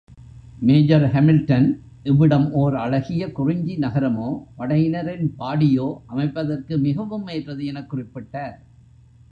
Major Hamilton, இவ்விடம் ஓர் அழகிய குறிஞ்சி நகரமோ, படையினரின் பாடியோ அமைப்பதற்கு மிகவும் ஏற்றது எனக் குறிப்பிட்டார்.